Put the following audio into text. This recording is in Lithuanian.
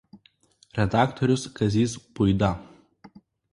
Redaktorius Kazys Puida.